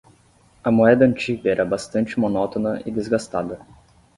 A moeda antiga era bastante monótona e desgastada.